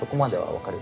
分かる。